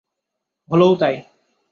হলোও তাই।